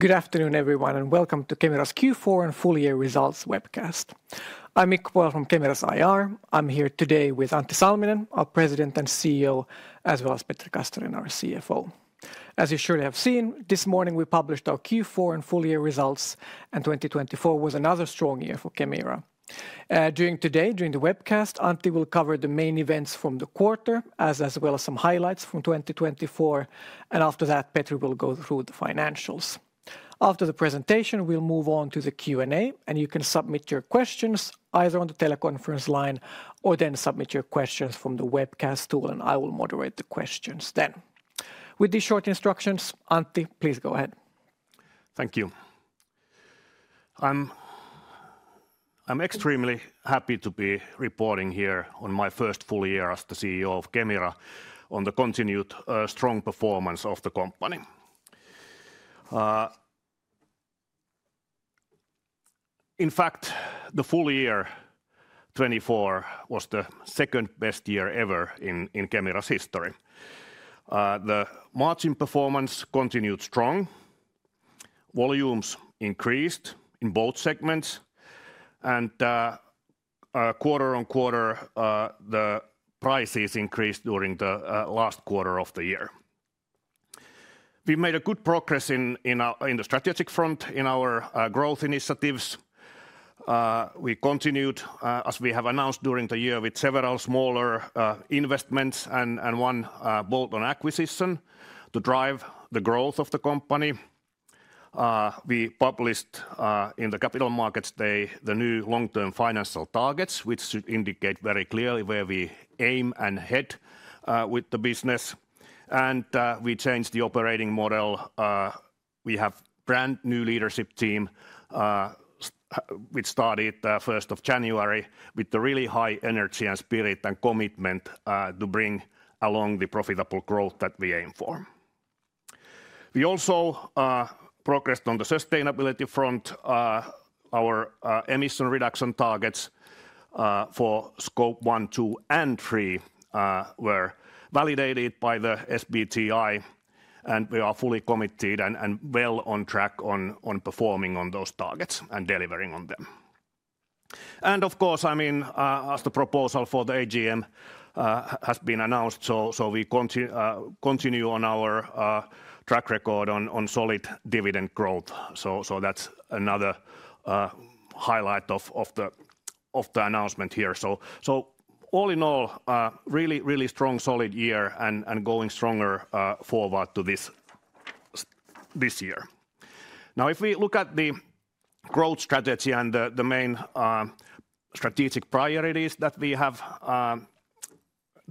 Good afternoon, everyone, and welcome to Kemira's Q4 and Full Year Results Webcast. I'm Mikko Pohjala from Kemira's IR. I'm here today with Antti Salminen, our President and CEO, as well as Petri Castrén, our CFO. As you surely have seen, this morning we published our Q4 and full year results, and 2024 was another strong year for Kemira. During today, during the webcast, Antti will cover the main events from the quarter, as well as some highlights from 2024, and after that, Petri will go through the financials. After the presentation, we'll move on to the Q&A, and you can submit your questions either on the teleconference line or then submit your questions from the webcast tool, and I will moderate the questions then. With these short instructions, Antti, please go ahead. Thank you. I'm extremely happy to be reporting here on my first full year as the CEO of Kemira, on the continued strong performance of the company. In fact, the full year 2024 was the second best year ever in Kemira's history. The margin performance continued strong. Volumes increased in both segments, and quarter-on-quarter, the prices increased during the last quarter of the year. We made good progress in the strategic front in our growth initiatives. We continued, as we have announced during the year, with several smaller investments and one bolt-on acquisition to drive the growth of the company. We published in the Capital Markets Day the new long-term financial targets, which should indicate very clearly where we aim and head with the business, and we changed the operating model. We have a brand new leadership team which started 1st of January with really high energy and spirit and commitment to bring along the profitable growth that we aim for. We also progressed on the sustainability front. Our emission reduction targets for Scope 1, 2, and 3 were validated by the SBTi, and we are fully committed and well on track on performing on those targets and delivering on them and of course, I mean, as the proposal for the AGM has been announced, so we continue on our track record on solid dividend growth, so that's another highlight of the announcement here, so all in all, really, really strong, solid year and going stronger forward to this year. Now, if we look at the growth strategy and the main strategic priorities that we have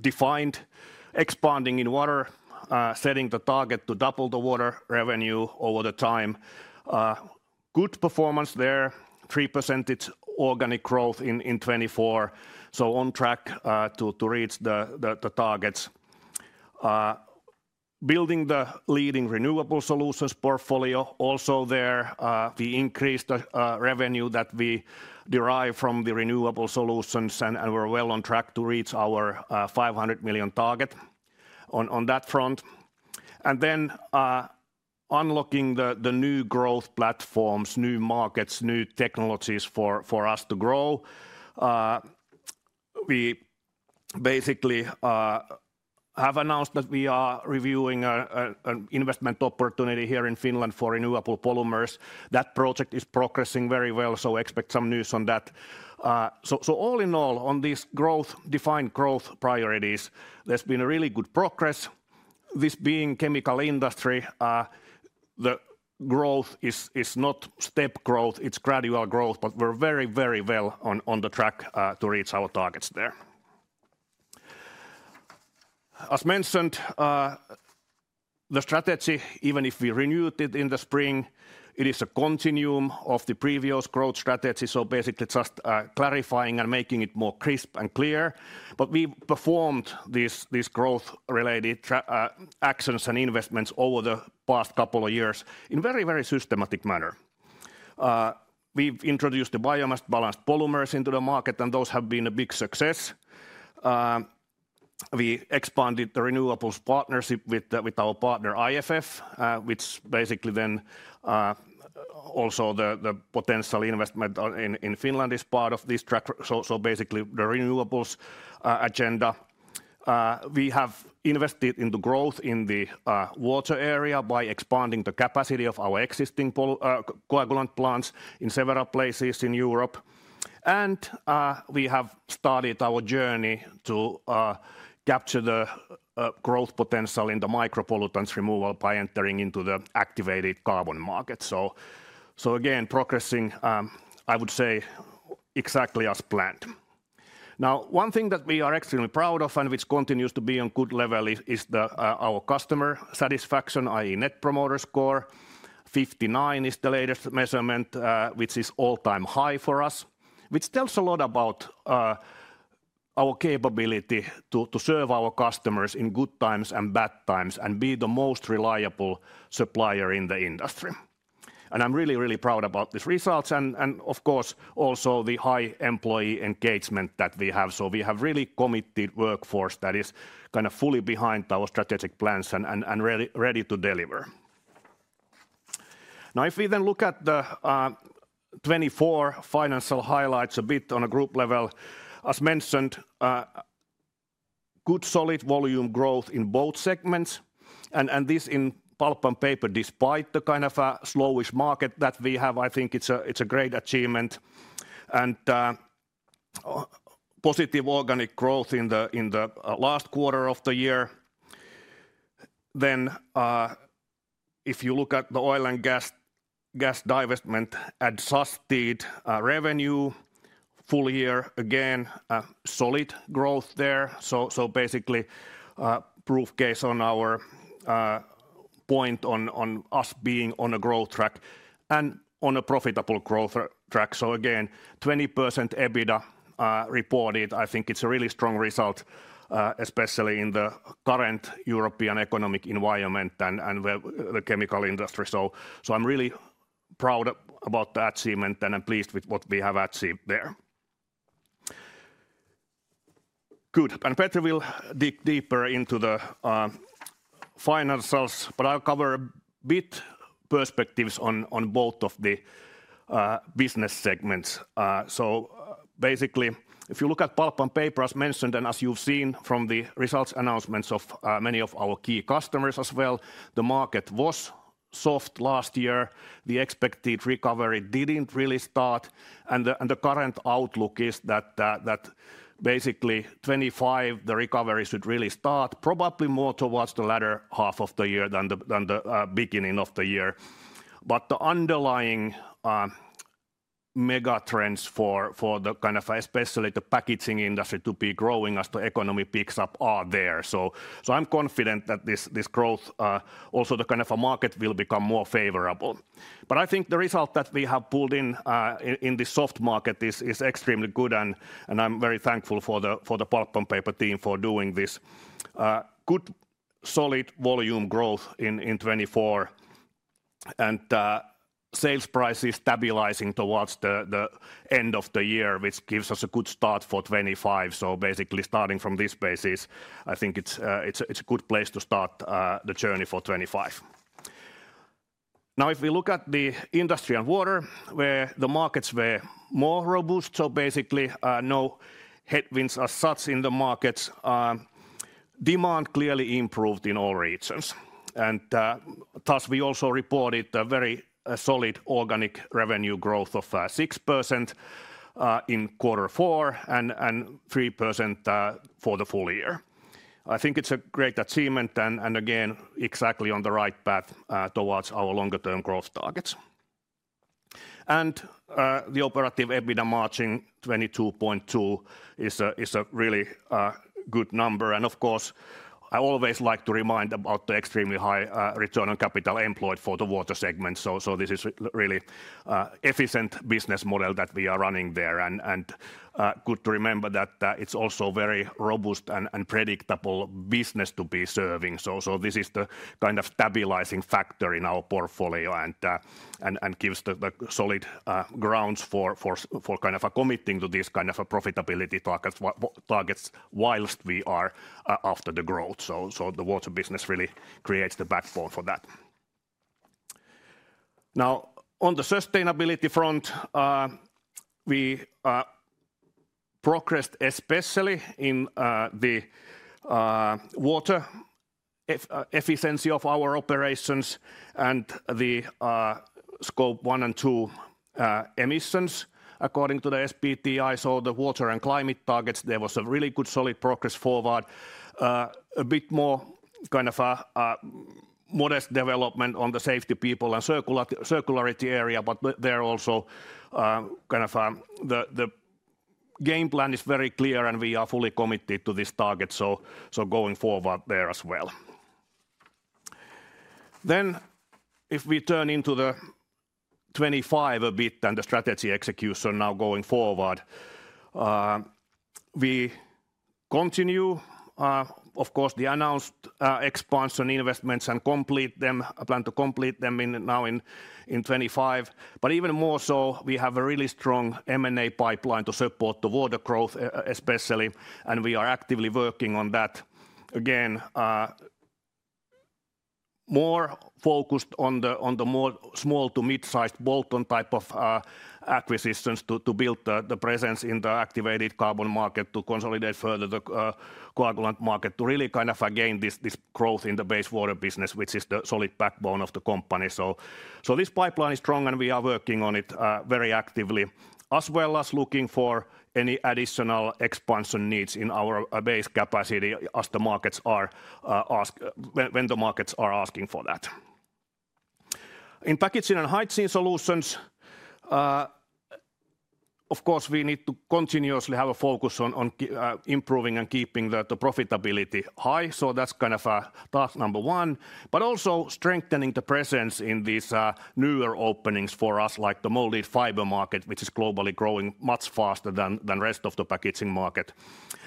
defined, expanding in water, setting the target to double the water revenue over the time, good performance there, 3% organic growth in 2024, so on track to reach the targets. Building the leading renewable solutions portfolio also there. We increased the revenue that we derive from the renewable solutions, and we're well on track to reach our 500 million target on that front. And then unlocking the new growth platforms, new markets, new technologies for us to grow. We basically have announced that we are reviewing an investment opportunity here in Finland for renewable polymers. That project is progressing very well, so expect some news on that. So all in all, on these defined growth priorities, there's been really good progress. With being chemical industry, the growth is not step growth, it's gradual growth, but we're very, very well on the track to reach our targets there. As mentioned, the strategy, even if we renewed it in the spring, it is a continuum of the previous growth strategy, so basically just clarifying and making it more crisp and clear. But we performed these growth-related actions and investments over the past couple of years in a very, very systematic manner. We've introduced the biomass-balanced polymers into the market, and those have been a big success. We expanded the renewables partnership with our partner IFF, which basically then also the potential investment in Finland is part of this track, so basically the renewables agenda. We have invested in the growth in the water area by expanding the capacity of our existing coagulant plants in several places in Europe. We have started our journey to capture the growth potential in the micropollutants removal by entering into the activated carbon market. Again, progressing, I would say, exactly as planned. Now, one thing that we are extremely proud of and which continues to be on good level is our customer satisfaction, i.e., Net Promoter Score. 59 is the latest measurement, which is all-time high for us, which tells a lot about our capability to serve our customers in good times and bad times and be the most reliable supplier in the industry. I'm really, really proud about these results and, of course, also the high employee engagement that we have. We have really committed workforce that is kind of fully behind our strategic plans and ready to deliver. Now, if we then look at the 2024 financial highlights a bit on a group level, as mentioned, good solid volume growth in both segments, and this in Pulp & Paper despite the kind of slowish market that we have, I think it's a great achievement, and positive organic growth in the last quarter of the year. Then, if you look at the Oil & Gas divestment and sustained revenue, full year, again, solid growth there. So, basically proof case on our point on us being on a growth track and on a profitable growth track. So, again, 20% EBITDA reported, I think it's a really strong result, especially in the current European economic environment and the chemical industry. So, I'm really proud about the achievement and I'm pleased with what we have achieved there. Good. And Petri will dig deeper into the financials, but I'll cover a bit perspectives on both of the business segments. So basically, if you look at Pulp & Paper, as mentioned, and as you've seen from the results announcements of many of our key customers as well, the market was soft last year. The expected recovery didn't really start. And the current outlook is that basically 2025, the recovery should really start, probably more towards the latter half of the year than the beginning of the year. But the underlying mega trends for the kind of especially the packaging industry to be growing as the economy picks up are there. So I'm confident that this growth, also the kind of market will become more favorable. But I think the result that we have pulled in in the soft market is extremely good, and I'm very thankful for the Pulp & Paper team for doing this. Good solid volume growth in 2024, and sales prices stabilizing towards the end of the year, which gives us a good start for 2025. So basically starting from this basis, I think it's a good place to start the journey for 2025. Now, if we look at the Industry & Water, the markets were more robust, so basically no headwinds as such in the markets. Demand clearly improved in all regions. And thus we also reported a very solid organic revenue growth of 6% in quarter four and 3% for the full year. I think it's a great achievement and again, exactly on the right path towards our longer-term growth targets. And the operative EBITDA margin 22.2% is a really good number. And of course, I always like to remind about the extremely high return on capital employed for the water segment. So this is really an efficient business model that we are running there. And good to remember that it's also a very robust and predictable business to be serving. So this is the kind of stabilizing factor in our portfolio and gives the solid grounds for kind of a commitment to these kind of profitability targets whilst we are after the growth. So the water business really creates the backbone for that. Now, on the sustainability front, we progressed especially in the water efficiency of our operations and the Scope 1 and 2 emissions according to the SBTi. So the water and climate targets, there was a really good solid progress forward. A bit more kind of modest development on the safety people and circularity area, but there also kind of the game plan is very clear and we are fully committed to this target, so going forward there as well, then if we turn into the 2025 a bit and the strategy execution now going forward, we continue, of course, the announced expansion investments and complete them, plan to complete them now in 2025. But even more so, we have a really strong M&A pipeline to support the water growth especially, and we are actively working on that. Again, more focused on the small to mid-sized bolt-on type of acquisitions to build the presence in the activated carbon market, to consolidate further the coagulant market, to really kind of again this growth in the base water business, which is the solid backbone of the company. This pipeline is strong and we are working on it very actively, as well as looking for any additional expansion needs in our base capacity as the markets are asking for that. In Packaging & Hygiene Solutions, of course, we need to continuously have a focus on improving and keeping the profitability high. That's kind of a task number one. But also strengthening the presence in these newer openings for us, like the molded fiber market, which is globally growing much faster than the rest of the packaging market.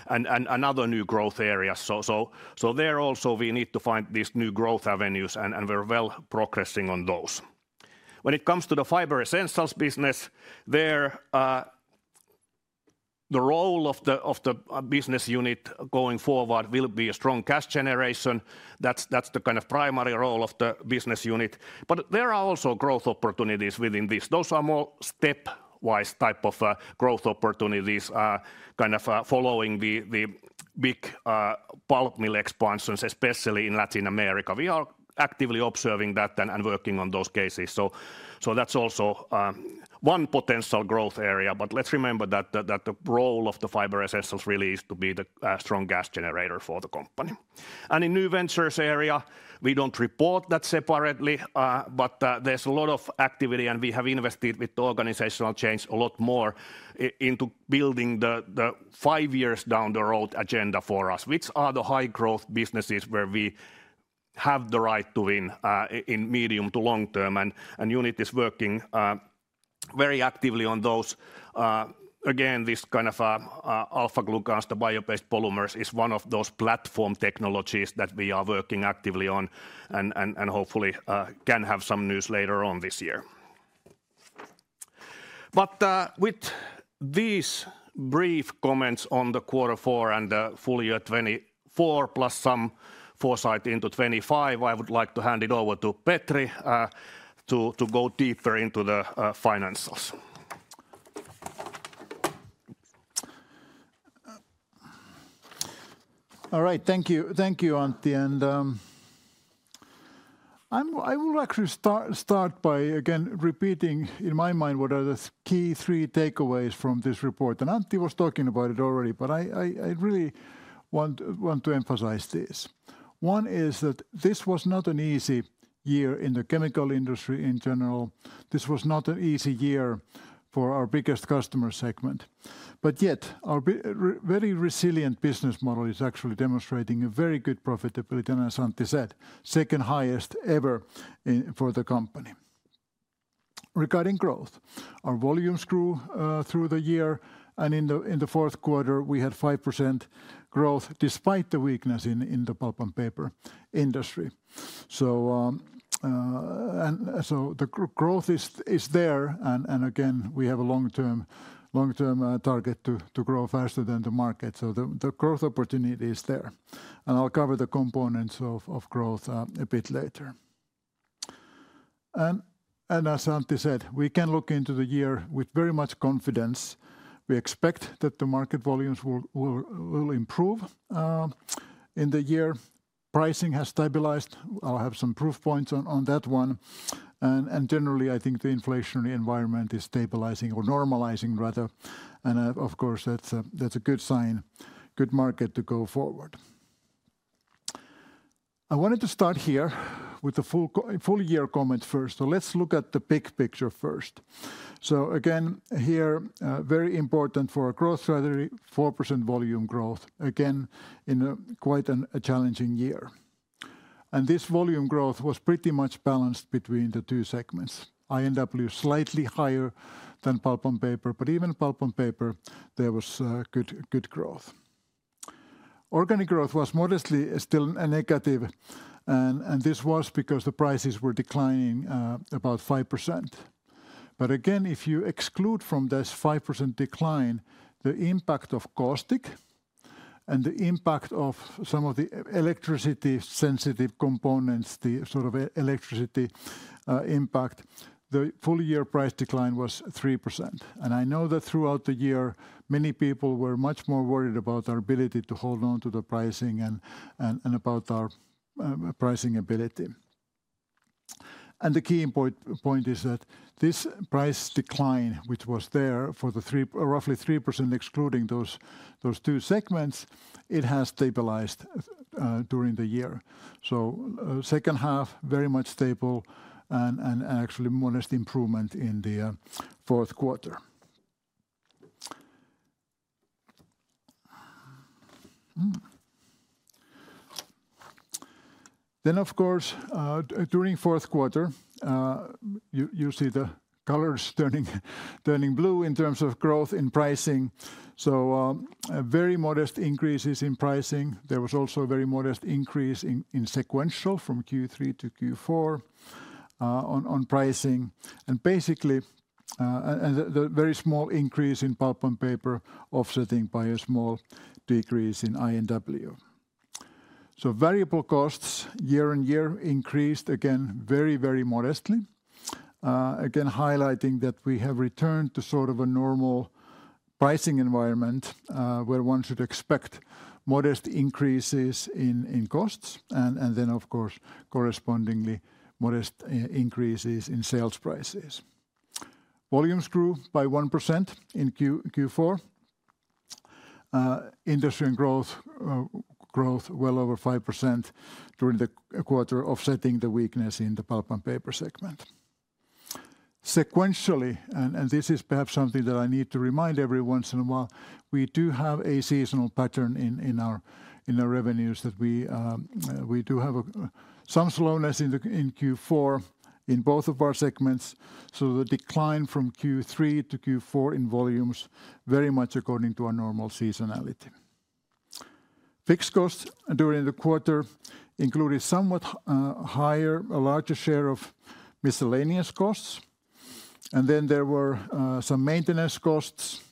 And another new growth area. So there also we need to find these new growth avenues and we're well progressing on those. When it comes to the Fiber Essentials business, the role of the business unit going forward will be a strong cash generation. That's the kind of primary role of the business unit. But there are also growth opportunities within this. Those are more stepwise type of growth opportunities, kind of following the big pulp mill expansions, especially in Latin America. We are actively observing that and working on those cases. So that's also one potential growth area. But let's remember that the role of Fiber Essentials really is to be the strong cash generator for the company. And in new ventures area, we don't report that separately, but there's a lot of activity and we have invested with the organizational change a lot more into building the five years down the road agenda for us, which are the high growth businesses where we have the right to win in medium to long term. And the unit is working very actively on those. Again, this kind of alpha-glucans to bio-based polymers is one of those platform technologies that we are working actively on and hopefully can have some news later on this year. But with these brief comments on the quarter four and the full year 2024, plus some foresight into 2025, I would like to hand it over to Petri to go deeper into the financials. All right, thank you, Antti. And I would like to start by again repeating in my mind what are the key three takeaways from this report. And Antti was talking about it already, but I really want to emphasize this. One is that this was not an easy year in the chemical industry in general. This was not an easy year for our biggest customer segment. But yet, our very resilient business model is actually demonstrating a very good profitability, and as Antti said, second highest ever for the company. Regarding growth, our volumes grew through the year, and in the fourth quarter, we had 5% growth despite the weakness in the Pulp & Paper industry, so the growth is there, and again, we have a long-term target to grow faster than the market, so the growth opportunity is there, and I'll cover the components of growth a bit later, and as Antti said, we can look into the year with very much confidence. We expect that the market volumes will improve in the year. Pricing has stabilized. I'll have some proof points on that one, and generally, I think the inflationary environment is stabilizing or normalizing, rather, and of course, that's a good sign, good market to go forward. I wanted to start here with the full year comment first. So let's look at the big picture first. So again, here, very important for a growth strategy, 4% volume growth, again, in a quite a challenging year. And this volume growth was pretty much balanced between the two segments. I&W slightly higher than Pulp & Paper, but even Pulp & Paper, there was good growth. Organic growth was modestly still negative, and this was because the prices were declining about 5%. But again, if you exclude from this 5% decline, the impact of caustic and the impact of some of the electricity sensitive components, the sort of electricity impact, the full year price decline was 3%. And I know that throughout the year, many people were much more worried about our ability to hold on to the pricing and about our pricing ability. The key point is that this price decline, which was there for the roughly 3% excluding those two segments, it has stabilized during the year. Second half, very much stable and actually modest improvement in the fourth quarter. Of course, during fourth quarter, you see the colors turning blue in terms of growth in pricing. Very modest increases in pricing. There was also a very modest increase in sequential from Q3 to Q4 on pricing. Basically, a very small increase in Pulp & Paper offsetting by a small decrease in I&W. Variable costs year on year increased again very, very modestly. Again, highlighting that we have returned to sort of a normal pricing environment where one should expect modest increases in costs and then, of course, correspondingly modest increases in sales prices. Volumes grew by 1% in Q4. Industry & Water growth well over 5% during the quarter, offsetting the weakness in the Pulp & Paper segment. Sequentially, and this is perhaps something that I need to remind every once in a while, we do have a seasonal pattern in our revenues that we do have some slowness in Q4 in both of our segments, so the decline from Q3 to Q4 in volumes very much according to our normal seasonality. Fixed costs during the quarter included somewhat higher, a larger share of miscellaneous costs, and then there were some maintenance costs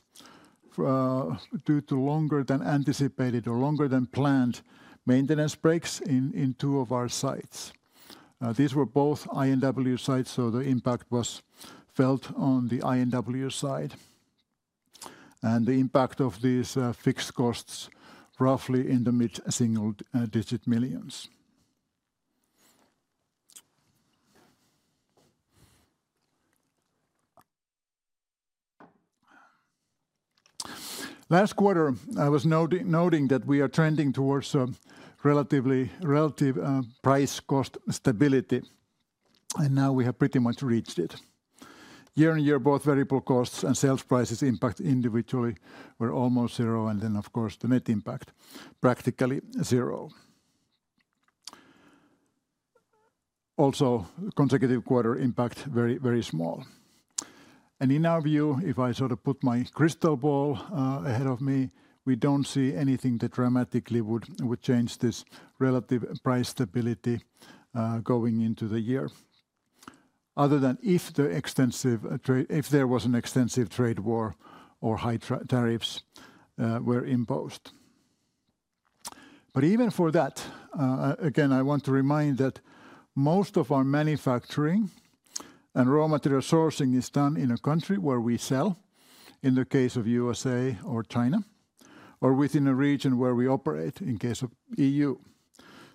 due to longer than anticipated or longer than planned maintenance breaks in two of our sites. These were both I&W sites, so the impact was felt on the I&W side, and the impact of these fixed costs roughly in the mid-single-digit millions. Last quarter, I was noting that we are trending towards a relatively relative price cost stability, and now we have pretty much reached it. Year-on-year, both variable costs and sales prices impact individually were almost zero, and then of course the net impact practically zero. Also, consecutive quarter impact very, very small, and in our view, if I sort of put my crystal ball ahead of me, we don't see anything that dramatically would change this relative price stability going into the year other than if there was an extensive trade war or high tariffs were imposed, but even for that, again, I want to remind that most of our manufacturing and raw material sourcing is done in a country where we sell, in the case of USA or China, or within a region where we operate in case of EU.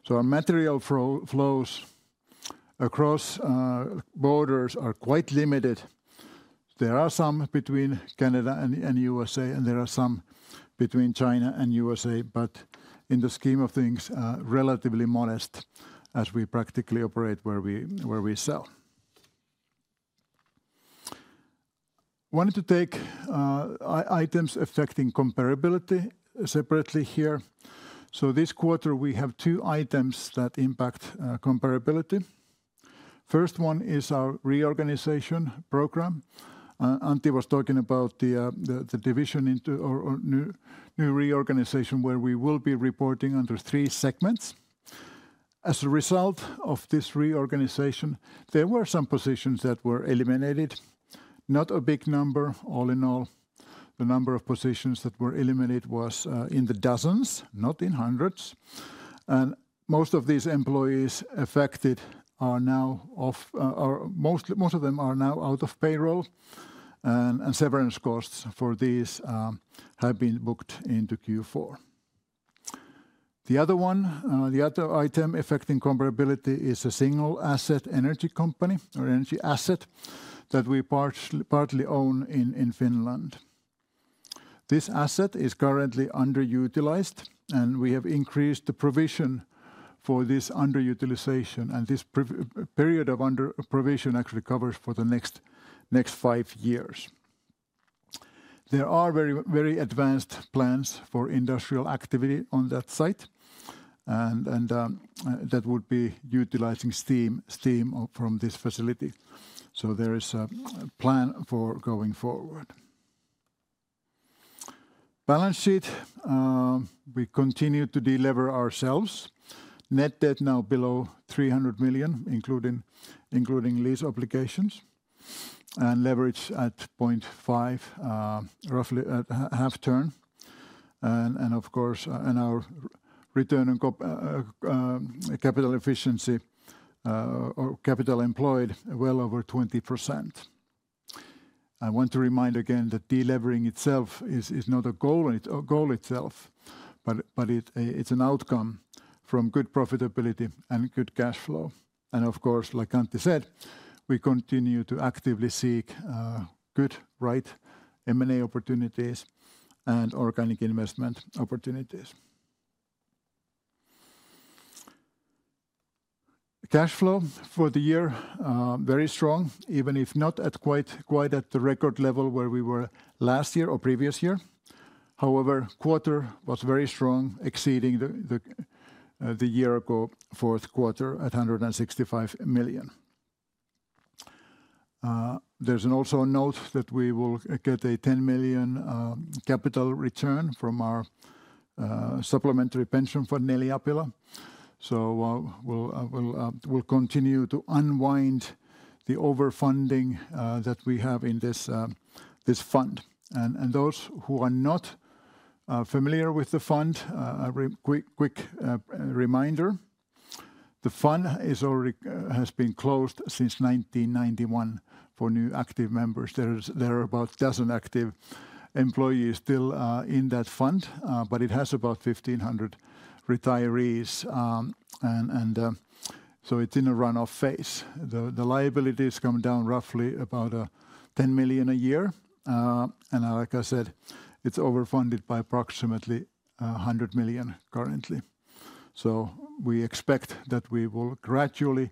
Our material flows across borders are quite limited. There are some between Canada and USA, and there are some between China and USA, but in the scheme of things, relatively modest as we practically operate where we sell. I wanted to take items affecting comparability separately here. This quarter, we have two items that impact comparability. First one is our reorganization program. Antti was talking about the division into new reorganization where we will be reporting under three segments. As a result of this reorganization, there were some positions that were eliminated, not a big number all in all. The number of positions that were eliminated was in the dozens, not in hundreds. Most of these employees affected are now out of payroll, and severance costs for these have been booked into Q4. The other item affecting comparability is a single asset energy company or energy asset that we partly own in Finland. This asset is currently underutilized, and we have increased the provision for this underutilization, and this period of underprovision actually covers for the next five years. There are very advanced plans for industrial activity on that site, and that would be utilizing steam from this facility. So there is a plan for going forward. Balance sheet, we continue to deliver ourselves. Net debt now below 300 million, including lease obligations, and leverage at 0.5, roughly at half turn. Of course, our return on capital efficiency or capital employed well over 20%. I want to remind again that delivering itself is not a goal itself, but it's an outcome from good profitability and good cash flow. And of course, like Antti said, we continue to actively seek good, right M&A opportunities and organic investment opportunities. Cash flow for the year, very strong, even if not quite at the record level where we were last year or previous year. However, quarter was very strong, exceeding the year ago fourth quarter at 165 million. There's also a note that we will get a 10 million capital return from our supplementary pension fund, Neliapila. So we'll continue to unwind the overfunding that we have in this fund. And those who are not familiar with the fund, a quick reminder, the fund has been closed since 1991 for new active members. There are about a dozen active employees still in that fund, but it has about 1500 retirees, and so it's in a runoff phase. The liabilities come down roughly about 10 million a year. And like I said, it's overfunded by approximately 100 million currently. So we expect that we will gradually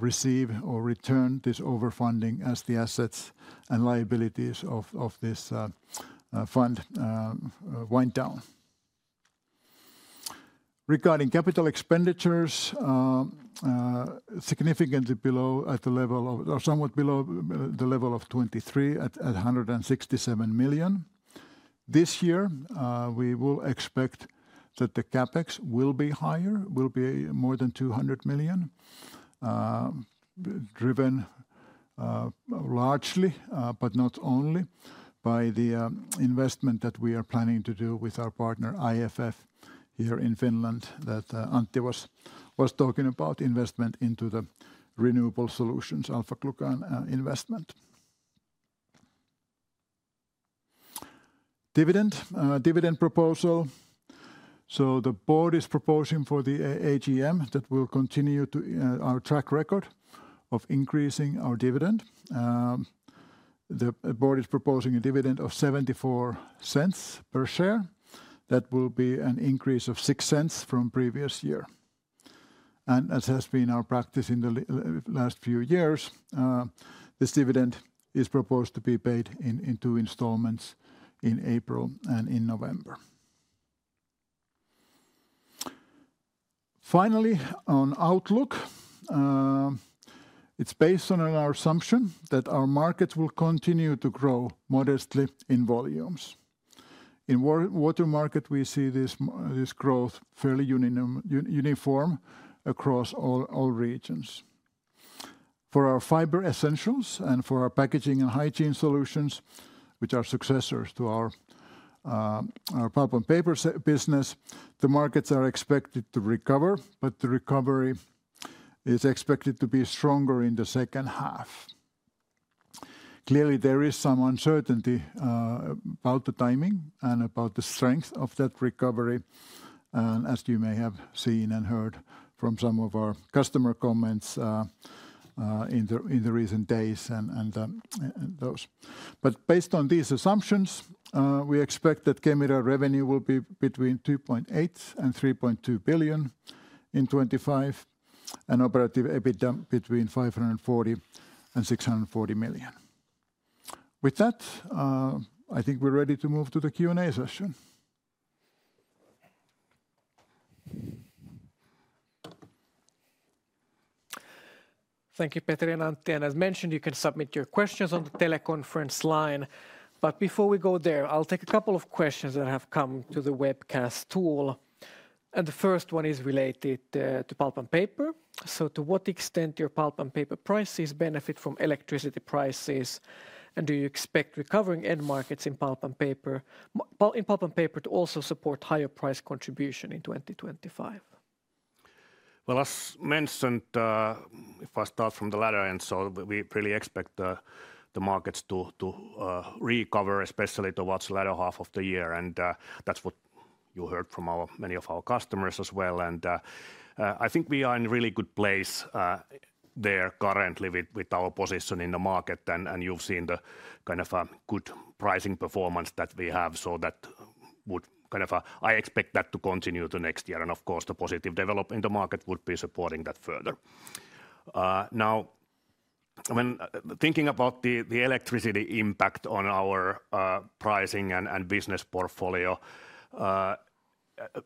receive or return this overfunding as the assets and liabilities of this fund wind down. Regarding capital expenditures, significantly below at the level of or somewhat below the level of 2023 at 167 million. This year, we will expect that the CapEx will be higher, will be more than 200 million, driven largely, but not only by the investment that we are planning to do with our partner IFF here in Finland that Antti was talking about, investment into the renewable solutions, alpha-glucan investment. Dividend proposal. So the Board is proposing for the AGM that will continue our track record of increasing our dividend. The Board is proposing a dividend of 0.74 per share. That will be an increase of 0.06 from previous year. As has been our practice in the last few years, this dividend is proposed to be paid in two installments in April and in November. Finally, on outlook, it's based on our assumption that our markets will continue to grow modestly in volumes. In water market, we see this growth fairly uniform across all regions. For our Fiber Essentials and for our Packaging & Hygiene Solutions, which are successors to our Pulp & Paper business, the markets are expected to recover, but the recovery is expected to be stronger in the second half. Clearly, there is some uncertainty about the timing and about the strength of that recovery, as you may have seen and heard from some of our customer comments in the recent days and those. But based on these assumptions, we expect that Kemira revenue will be between 2.8 billion to 3.2 billion in 2025 and operative EBITDA between 540 million to 640 million. With that, I think we're ready to move to the Q&A session. Thank you, Petri and Antti. And as mentioned, you can submit your questions on the teleconference line. But before we go there, I'll take a couple of questions that have come to the webcast tool. And the first one is related to Pulp & Paper. So to what extent do your Pulp & Paper prices benefit from electricity prices? And do you expect recovering end markets in Pulp & Paper to also support higher price contribution in 2025? Well, as mentioned, if I start from the latter end, so we really expect the markets to recover, especially towards the latter half of the year. That's what you heard from many of our customers as well. I think we are in a really good place there currently with our position in the market. You've seen the kind of good pricing performance that we have. That would kind of, I expect that to continue to next year. Of course, the positive development in the market would be supporting that further. Now, when thinking about the electricity impact on our pricing and business portfolio,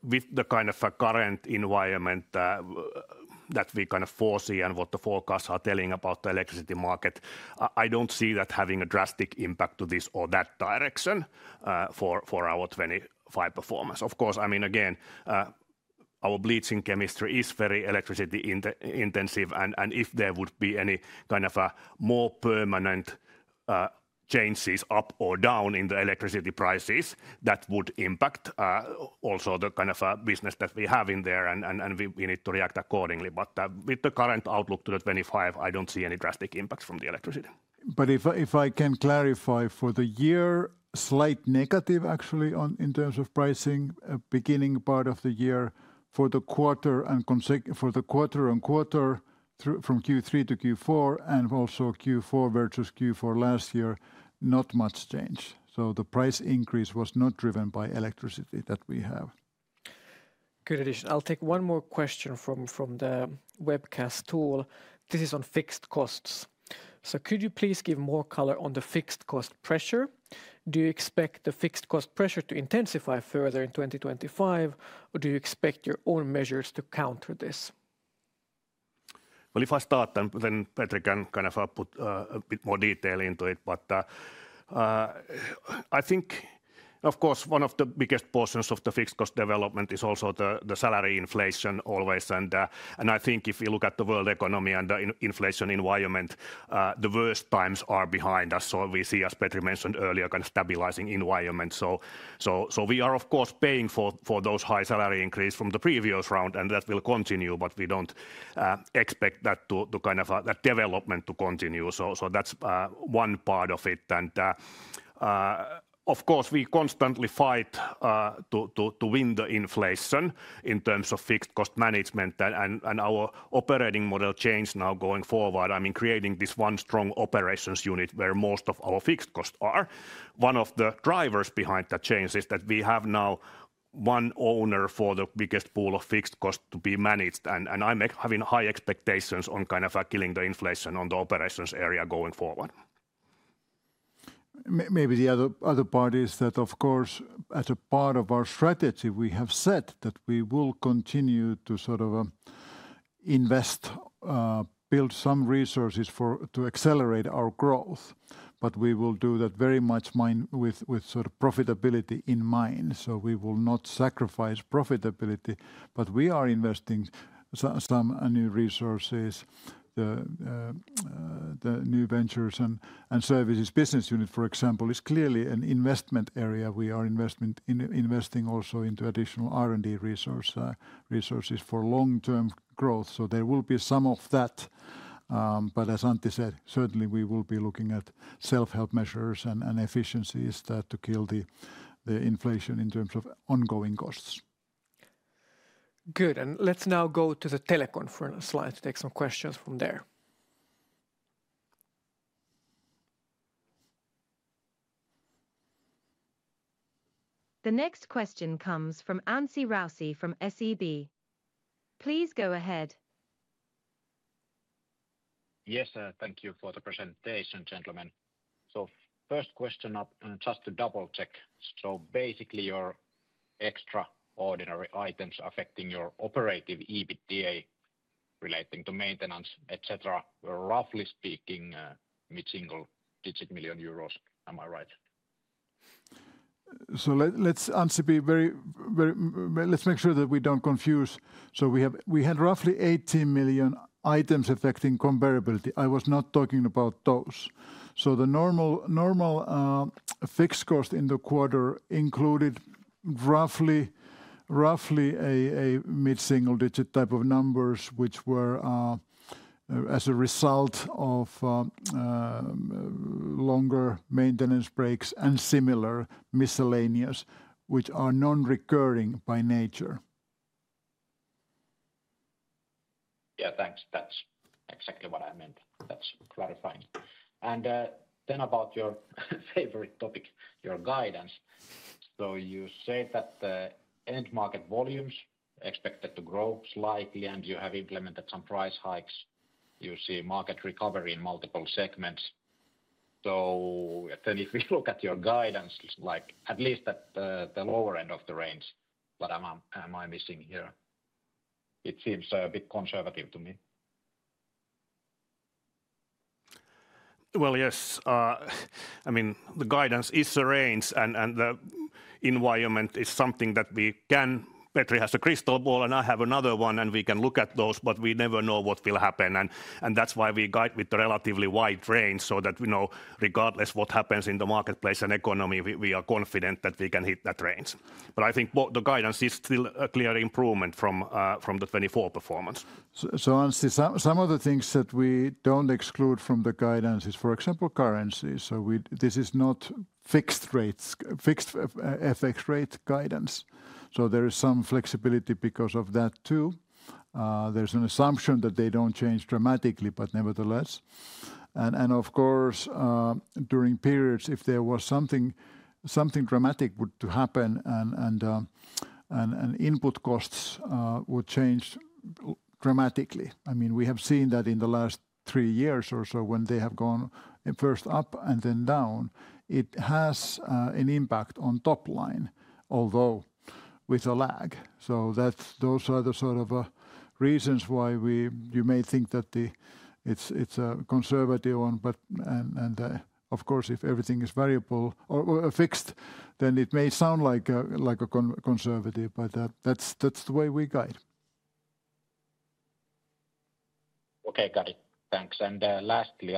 with the kind of current environment that we kind of foresee and what the forecasts are telling about the electricity market, I don't see that having a drastic impact to this or that direction for our 2025 performance. Of course, I mean, again, our bleaching chemistry is very electricity intensive. If there would be any kind of more permanent changes up or down in the electricity prices, that would impact also the kind of business that we have in there. And we need to react accordingly. But with the current outlook to 2025, I don't see any drastic impacts from the electricity. But if I can clarify for the year, slight negative actually in terms of pricing, beginning part of the year for the quarter and for the quarter and quarter from Q3 to Q4 and also Q4 versus Q4 last year, not much change. So the price increase was not driven by electricity that we have. Good addition. I'll take one more question from the webcast tool. This is on fixed costs. So could you please give more color on the fixed cost pressure? Do you expect the fixed cost pressure to intensify further in 2025? Or do you expect your own measures to counter this? Well, if I start, then Petri can kind of put a bit more detail into it. But I think, of course, one of the biggest portions of the fixed cost development is also the salary inflation always. And I think if you look at the world economy and the inflation environment, the worst times are behind us. So we see, as Petri mentioned earlier, kind of stabilizing environment. So we are, of course, paying for those high salary increases from the previous round, and that will continue. But we don't expect that kind of development to continue. So that's one part of it. And of course, we constantly fight to win the inflation in terms of fixed cost management. And our operating model change now going forward, I mean, creating this one strong operations unit where most of our fixed costs are. One of the drivers behind that change is that we have now one owner for the biggest pool of fixed costs to be managed. And I'm having high expectations on kind of killing the inflation on the operations area going forward. Maybe the other part is that, of course, as a part of our strategy, we have said that we will continue to sort of invest, build some resources to accelerate our growth. But we will do that very much with sort of profitability in mind. So we will not sacrifice profitability. But we are investing some new resources. The New Ventures and Services business unit, for example, is clearly an investment area. We are investing also into additional R&D resources for long-term growth. So there will be some of that. But as Antti said, certainly we will be looking at self-help measures and efficiencies to kill the inflation in terms of ongoing costs. Good. And let's now go to the teleconference line to take some questions from there. The next question comes from Anssi Raussi from SEB. Please go ahead. Yes, thank you for the presentation, gentlemen. So first question, just to double-check. So basically, your extraordinary items affecting your operative EBITDA relating to maintenance, etc., we're roughly speaking mid-single digit million EUR. Am I right? So let's be very, let's make sure that we don't confuse. So we had roughly 18 million items affecting comparability. I was not talking about those. So the normal fixed cost in the quarter included roughly a mid-single digit type of numbers, which were as a result of longer maintenance breaks and similar miscellaneous, which are non-recurring by nature. Yeah, thanks. That's exactly what I meant. That's clarifying. And then about your favorite topic, your guidance. So you say that end market volumes expected to grow slightly, and you have implemented some price hikes. You see market recovery in multiple segments. So then if we look at your guidance, like at least at the lower end of the range, what am I missing here? It seems a bit conservative to me. Well, yes. I mean, the guidance is the range, and the environment is something that we can. Petri has a crystal ball, and I have another one, and we can look at those, but we never know what will happen. And that's why we guide with the relatively wide range so that we know regardless of what happens in the marketplace and economy, we are confident that we can hit that range. But I think the guidance is still a clear improvement from the 24 performance. So Anssi, some of the things that we don't exclude from the guidance is, for example, currency. So this is not fixed rates, fixed FX rate guidance. So there is some flexibility because of that too. There's an assumption that they don't change dramatically, but nevertheless. And of course, during periods, if there was something dramatic to happen and input costs would change dramatically. I mean, we have seen that in the last three years or so when they have gone first up and then down, it has an impact on top line, although with a lag. So those are the sort of reasons why you may think that it's a conservative one. And of course, if everything is variable or fixed, then it may sound like a conservative, but that's the way we guide. Okay, got it. Thanks. And lastly,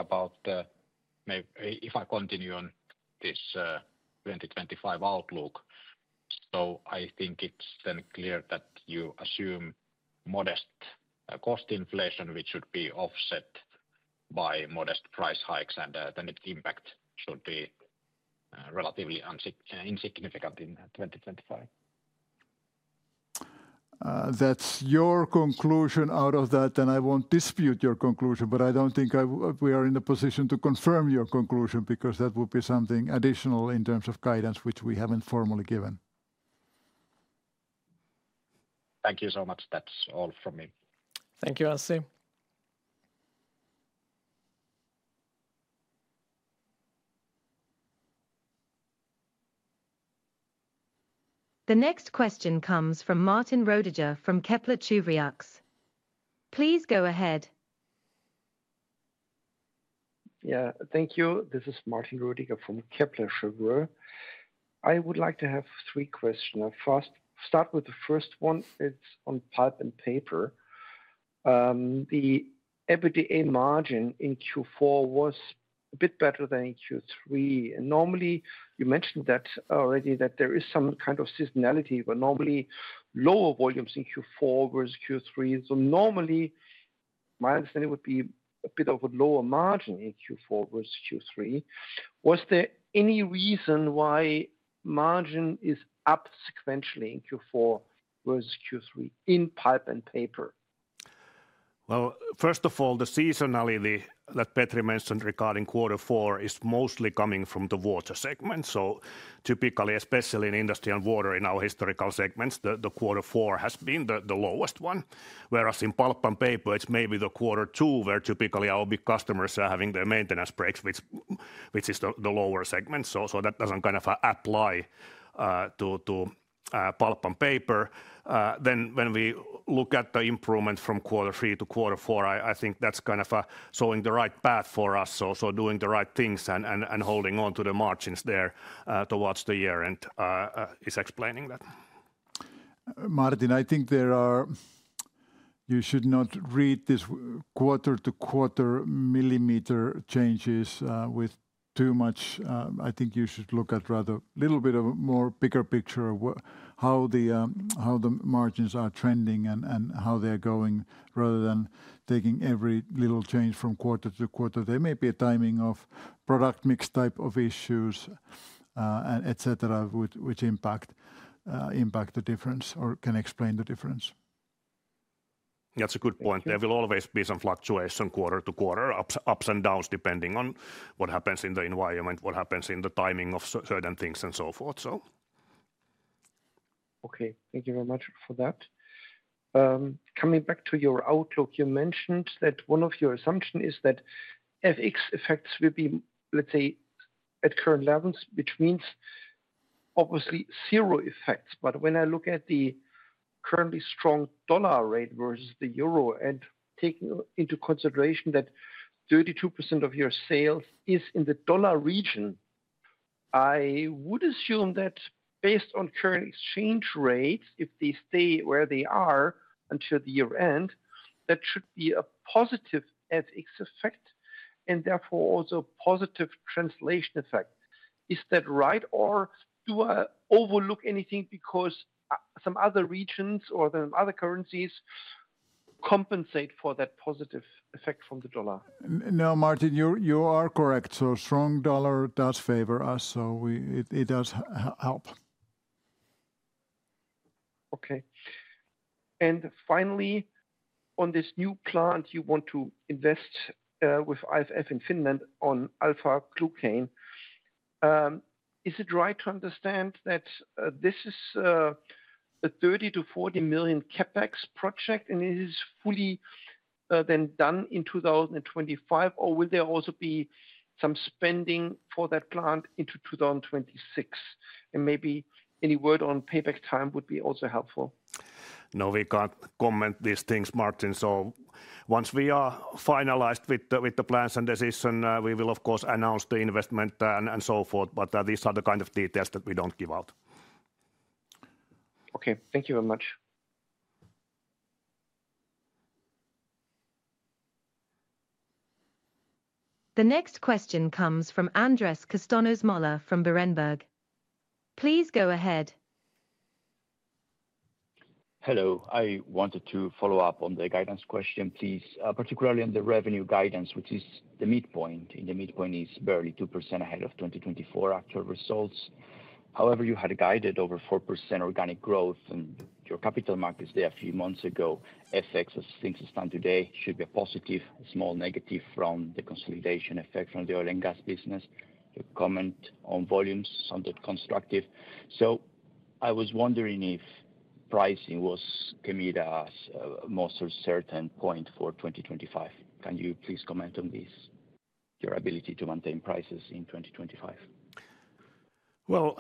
if I continue on this 2025 outlook, so I think it's then clear that you assume modest cost inflation, which should be offset by modest price hikes, and then its impact should be relatively insignificant in 2025. That's your conclusion out of that, and I won't dispute your conclusion, but I don't think we are in a position to confirm your conclusion because that would be something additional in terms of guidance, which we haven't formally given. Thank you so much. That's all from me. Thank you, Anssi. The next question comes from Martin Roediger from Kepler Cheuvreux. Please go ahead. Yeah, thank you. This is Martin Roediger from Kepler Cheuvreux. I would like to have three questions. I'll first start with the first one. It's on Pulp & Paper. The EBITDA margin in Q4 was a bit better than in Q3. And normally, you mentioned that already, that there is some kind of seasonality, but normally lower volumes in Q4 versus Q3. So normally, my understanding would be a bit of a lower margin in Q4 versus Q3. Was there any reason why margin is up sequentially in Q4 versus Q3 in Pulp & Paper? Well, first of all, the seasonality that Petri mentioned regarding quarter four is mostly coming from the water segment. So typically, especially in Industry & Water in our historical segments, the quarter four has been the lowest one. Whereas in Pulp & Paper, it's maybe the quarter two where typically our big customers are having their maintenance breaks, which is the lower segment. So that doesn't kind of apply to Pulp & Paper. Then when we look at the improvement from quarter three to quarter four, I think that's kind of showing the right path for us. So doing the right things and holding on to the margins there towards the year and is explaining that. Martin, I think there are, you should not read this quarter-to-quarter millimeter changes with too much. I think you should look at rather a little bit of a more bigger picture of how the margins are trending and how they are going rather than taking every little change from quarter-to-quarter. There may be a timing of product mix type of issues, etc., which impact the difference or can explain the difference. That's a good point. There will always be some fluctuation quarter-to-quarter, ups and downs depending on what happens in the environment, what happens in the timing of certain things and so forth. Okay, thank you very much for that. Coming back to your outlook, you mentioned that one of your assumptions is that FX effects will be, let's say, at current levels, which means obviously zero effects. But when I look at the currently strong dollar rate versus the euro and taking into consideration that 32% of your sales is in the dollar region, I would assume that based on current exchange rates, if they stay where they are until the year end, that should be a positive FX effect and therefore also a positive translation effect. Is that right? Or do I overlook anything because some other regions or some other currencies compensate for that positive effect from the dollar? No, Martin, you are correct. So strong dollar does favor us. So it does help. Okay. And finally, on this new plant, you want to invest with IFF in Finland on alpha-glucan. Is it right to understand that this is a 30 million to 40 million CapEx project and it is fully then done in 2025? Or will there also be some spending for that plant into 2026? And maybe any word on payback time would be also helpful. No, we can't comment these things, Martin. So once we are finalized with the plans and decision, we will, of course, announce the investment and so forth. But these are the kind of details that we don't give out. Okay, thank you very much. The next question comes from Andres Castanos-Mollor from Berenberg. Please go ahead. Hello. I wanted to follow up on the guidance question, please, particularly on the revenue guidance, which is the midpoint. The midpoint is barely 2% ahead of 2024 actual results. However, you had guided over 4% organic growth and your Capital Markets Day a few months ago. FX, as things stand today, should be a positive, small negative from the consolidation effect from the Oil & Gas business. Your comment on volumes sounded constructive. So I was wondering if pricing was Kemira's most certain point for 2025. Can you please comment on this, your ability to maintain prices in 2025? Well,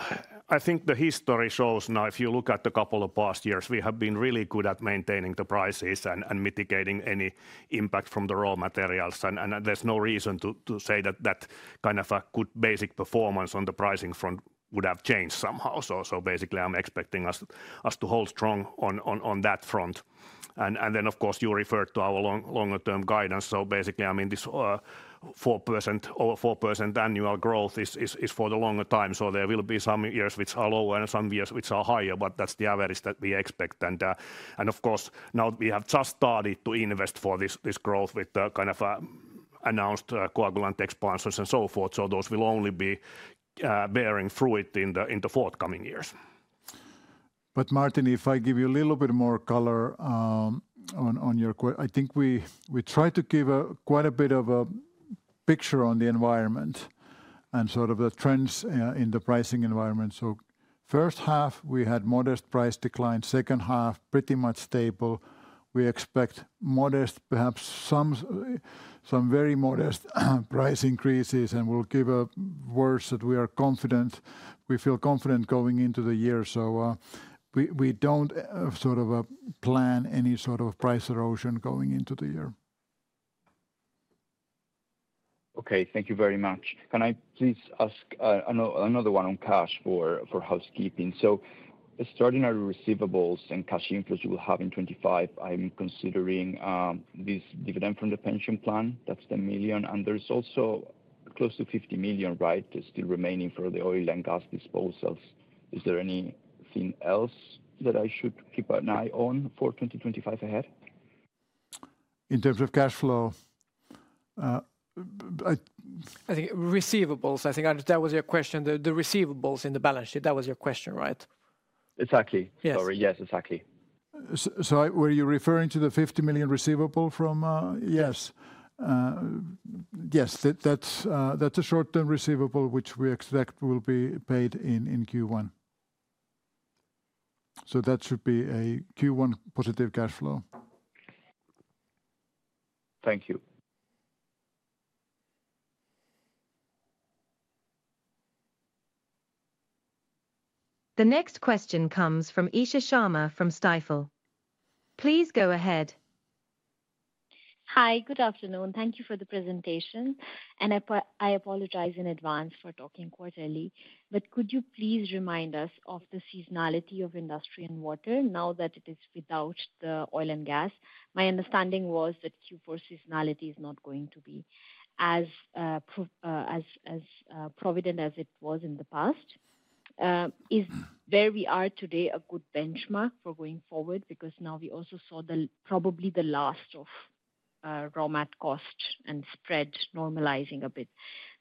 I think the history shows now, if you look at a couple of past years, we have been really good at maintaining the prices and mitigating any impact from the raw materials. And there's no reason to say that that kind of a good basic performance on the pricing front would have changed somehow. So basically, I'm expecting us to hold strong on that front. And then, of course, you referred to our longer-term guidance. So basically, I mean, this 4% annual growth is for the longer time. So there will be some years which are lower and some years which are higher, but that's the average that we expect. And of course, now we have just started to invest for this growth with the kind of announced coagulant expansions and so forth. So those will only be bearing fruit in the forthcoming years. But Martin, if I give you a little bit more color on your question, I think we tried to give quite a bit of a picture on the environment and sort of the trends in the pricing environment. So first half, we had modest price decline. Second half, pretty much stable. We expect modest, perhaps some very modest price increases, and we'll give a word that we are confident. We feel confident going into the year. So we don't sort of plan any sort of price erosion going into the year. Okay, thank you very much. Can I please ask another one on cash for housekeeping? So extraordinary receivables and cash inflows you will have in 2025. I'm considering this dividend from the pension plan. That's the million. And there's also close to 50 million, right, still remaining for the Oil & Gas disposals. Is there anything else that I should keep an eye on for 2025 ahead? In terms of cash flow? Receivables, I think that was your question. The receivables in the balance sheet, that was your question, right? Exactly. Sorry. Yes, exactly. Were you referring to the 50 million receivable from? Yes. Yes, that's a short-term receivable, which we expect will be paid in Q1. So that should be a Q1 positive cash flow. Thank you. The next question comes from Isha Sharma from Stifel. Please go ahead. Hi, good afternoon. Thank you for the presentation. And I apologize in advance for talking quite early. But could you please remind us of the seasonality of Industry & Water now that it is without the Oil & Gas? My understanding was that Q4 seasonality is not going to be as pronounced as it was in the past. Is where we are today a good benchmark for going forward? Because now we also saw probably the last of raw mat cost and spread normalizing a bit.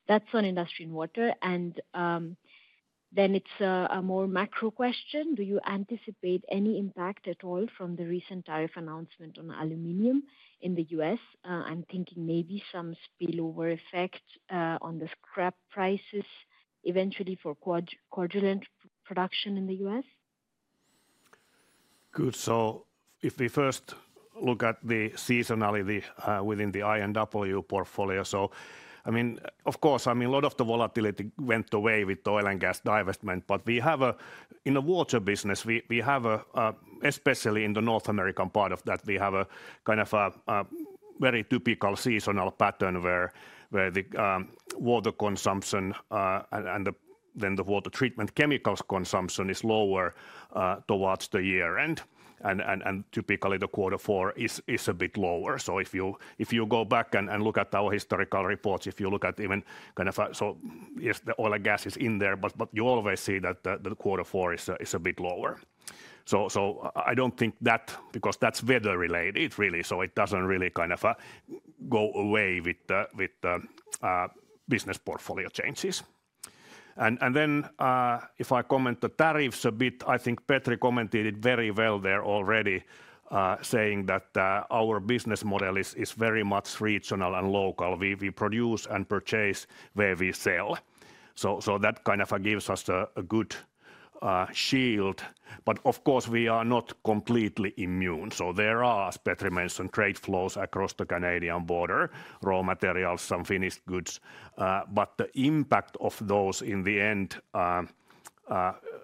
That's on Industry & Water. And then it's a more macro question. Do you anticipate any impact at all from the recent tariff announcement on aluminum in the US? I'm thinking maybe some spillover effect on the scrap prices eventually for coagulant production in the US. Good. So if we first look at the seasonality within the I&W portfolio, so I mean, of course, a lot of the volatility went away with Oil & Gas divestment, but we have, in the water business, especially in the North American part of that, a kind of very typical seasonal pattern where the water consumption and then the water treatment chemicals consumption is lower towards the year end. And typically the quarter four is a bit lower. So if you go back and look at our historical reports, if you look at even kind of, so if the Oil & Gas is in there, but you always see that the quarter four is a bit lower. So I don't think that, because that's weather related, really. So it doesn't really kind of go away with the business portfolio changes. And then if I comment the tariffs a bit, I think Petri commented it very well there already, saying that our business model is very much regional and local. We produce and purchase where we sell. So that kind of gives us a good shield. But of course, we are not completely immune. So there are, as Petri mentioned, trade flows across the Canadian border, raw materials, some finished goods. But the impact of those in the end,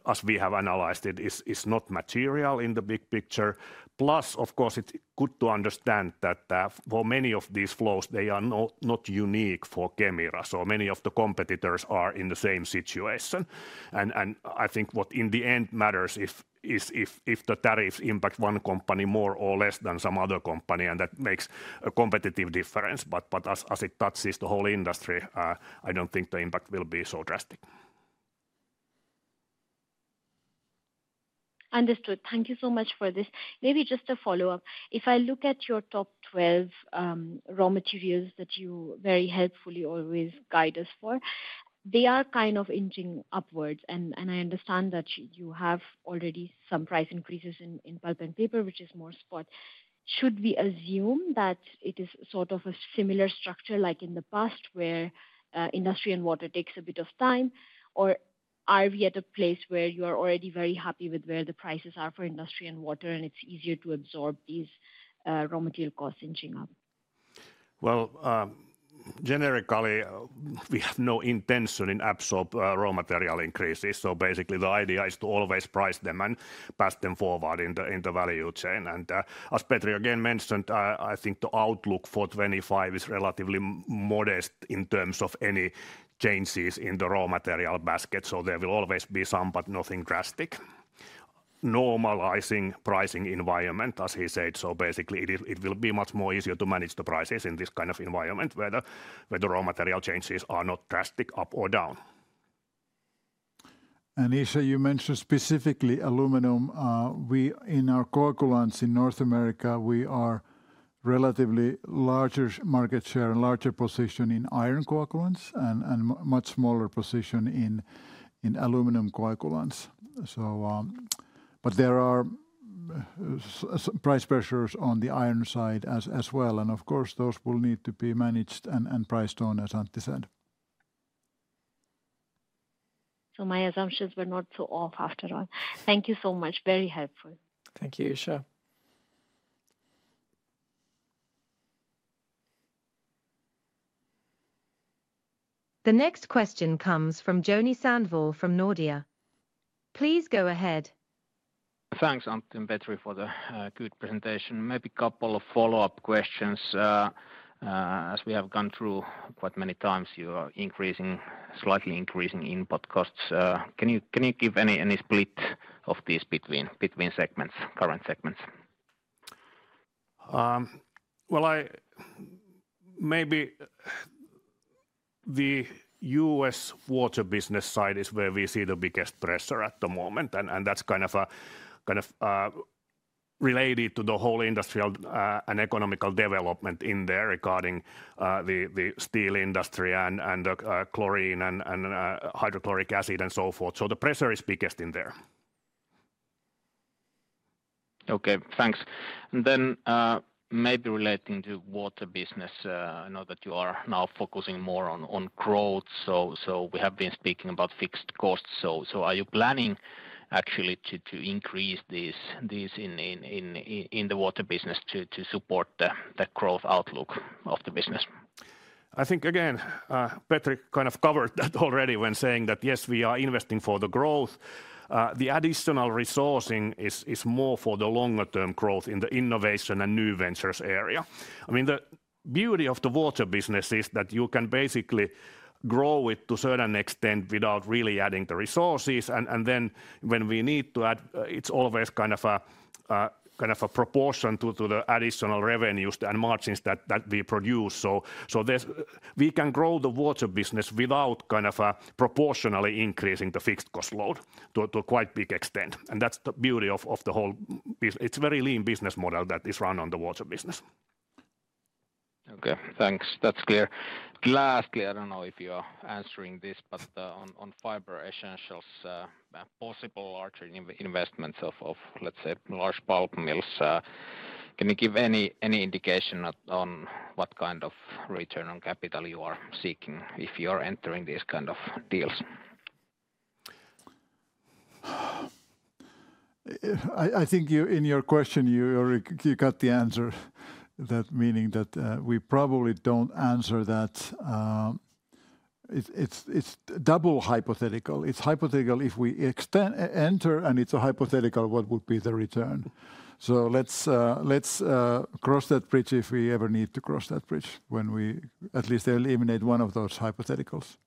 as we have analyzed it, is not material in the big picture. Plus, of course, it's good to understand that for many of these flows, they are not unique for Kemira. So many of the competitors are in the same situation. And I think what in the end matters is if the tariffs impact one company more or less than some other company, and that makes a competitive difference. But as it touches the whole industry, I don't think the impact will be so drastic. Understood. Thank you so much for this. Maybe just a follow-up. If I look at your top 12 raw materials that you very helpfully always guide us for, they are kind of inching upwards. And I understand that you have already some price increases in Pulp & Paper, which is more spot. Should we assume that it is sort of a similar structure like in the past where Industry & Water takes a bit of time? Or are we at a place where you are already very happy with where the prices are for Industry & Water and it's easier to absorb these raw material costs inching up? Well, generically, we have no intention to absorb raw material increases. So basically, the idea is to always price them and pass them forward in the value chain. And as Petri again mentioned, I think the outlook for 2025 is relatively modest in terms of any changes in the raw material basket. So there will always be some, but nothing drastic. Normalizing pricing environment, as he said. So basically, it will be much more easier to manage the prices in this kind of environment where the raw material changes are not drastic up or down. And Isha, you mentioned specifically aluminum. In our coagulants in North America, we are relatively larger market share and larger position in iron coagulants and much smaller position in aluminum coagulants. But there are price pressures on the iron side as well. And of course, those will need to be managed and priced on, as Antti said. So my assumptions were not so off after all. Thank you so much. Very helpful. Thank you, Isha. The next question comes from Joni Sandvall from Nordea. Please go ahead. Thanks, Antti and Petri, for the good presentation. Maybe a couple of follow-up questions. As we have gone through quite many times, you are increasing, slightly increasing input costs. Can you give any split of these between segments, current segments? Well, maybe the U.S. water business side is where we see the biggest pressure at the moment. And that's kind of related to the whole industrial and economic development in there regarding the steel industry and the chlorine and hydrochloric acid and so forth. So the pressure is biggest in there. Okay, thanks. And then maybe relating to water business, I know that you are now focusing more on growth. So we have been speaking about fixed costs. So are you planning actually to increase these in the water business to support the growth outlook of the business? I think, again, Petri kind of covered that already when saying that yes, we are investing for the growth. The additional resourcing is more for the longer-term growth in the innovation and new ventures area. I mean, the beauty of the water business is that you can basically grow it to a certain extent without really adding the resources. And then when we need to add, it's always kind of a proportion to the additional revenues and margins that we produce. So we can grow the water business without kind of proportionally increasing the fixed cost load to a quite big extent. And that's the beauty of the whole business. It's a very lean business model that is run on the water business. Okay, thanks. That's clear. Lastly, I don't know if you're answering this, but on Fiber Essentials, possible larger investments of, let's say, large pulp mills. Can you give any indication on what kind of return on capital you are seeking if you are entering these kind of deals? I think in your question, you got the answer, meaning that we probably don't answer that. It's double hypothetical. It's hypothetical if we enter, and it's a hypothetical, what would be the return? So let's cross that bridge if we ever need to cross that bridge when we at least eliminate one of those hypotheticals.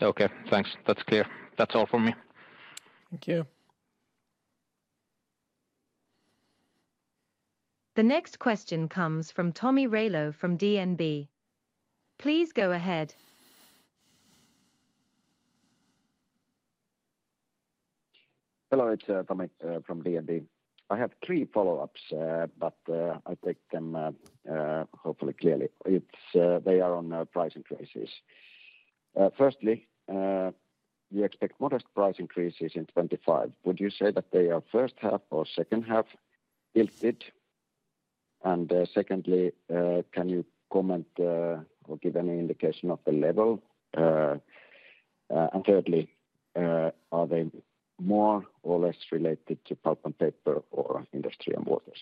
Okay, thanks. That's clear. That's all for me. Thank you. The next question comes from Tomi Railo from DNB. Please go ahead. Hello, it's Tomi from DNB. I have three follow-ups, but I'll take them hopefully clearly. They are on price increases. Firstly, you expect modest price increases in 2025. Would you say that they are first half or second half tilted? And secondly, can you comment or give any indication of the level? And thirdly, are they more or less related to Pulp & Paper or Industry & Water?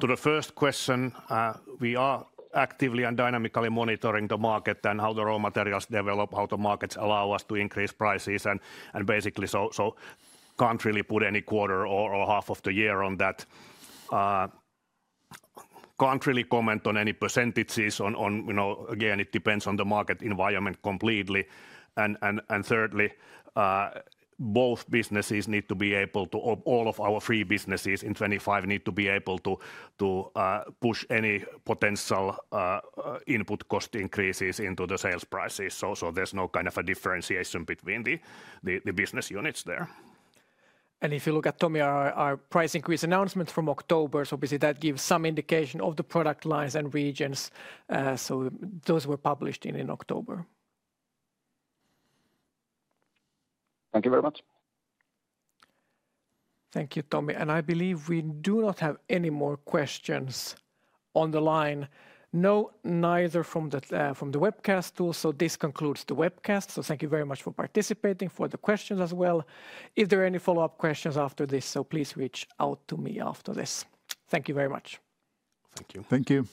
To the first question, we are actively and dynamically monitoring the market and how the raw materials develop, how the markets allow us to increase prices, and basically, so can't really put any quarter or half of the year on that. Can't really comment on any percentages. Again, it depends on the market environment completely, and thirdly, both businesses need to be able to, all of our three businesses in 2025 need to be able to push any potential input cost increases into the sales prices, so there's no kind of a differentiation between the business units there. And if you look at Tomi, our price increase announcements from October, so obviously that gives some indication of the product lines and regions, so those were published in October. Thank you very much. Thank you, Tomi. I believe we do not have any more questions on the line. No, neither from the webcast tool. So this concludes the webcast. So thank you very much for participating, for the questions as well. If there are any follow-up questions after this, so please reach out to me after this. Thank you very much. Thank you. Thank you.